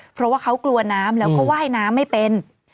เพราะว่าเขากลัวน้ำแล้วก็ว่ายน้ำไม่เป็น